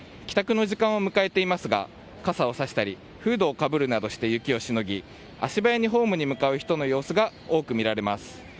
帰宅の時間を迎えていますが傘をさしたりフードをかぶるなどして雪を防ぎ足早にホームへ向かう人の姿が多く見られます。